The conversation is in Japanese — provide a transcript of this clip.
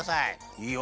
いいよ。